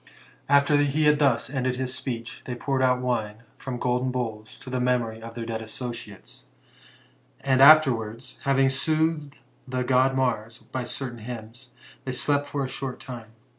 After he had thus ended his speech, they poured out wine from golden bowls, to the memory of their dead associates ; and afterwards, having soothed the god Mars by certain hymns, they slept for a short time.